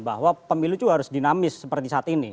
bahwa pemilu itu harus dinamis seperti saat ini